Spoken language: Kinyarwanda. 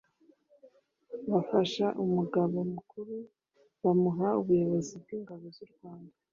bafasha umugaba mukuru bamuha ubuyobozi bw’ingabo z’u rwanda